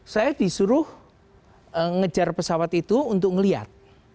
saya disuruh ngejar pesawat itu untuk melihat